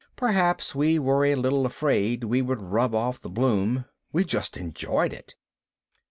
Perhaps we were a little afraid we would rub off the bloom. We just enjoyed it.